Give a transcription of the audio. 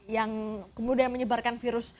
yang kemudian menyebarkan virus